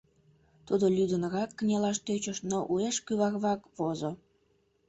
Тудо лӱдынрак кынелаш тӧчыш, но уэш кӱварвак возо.